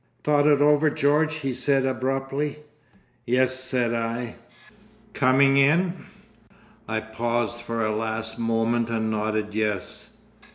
"Thought it over George?" he said abruptly. "Yes," said I. "Coming in?" I paused for a last moment and nodded yes.